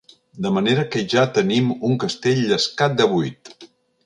De manera que ja tenim un castell llescat de vuit.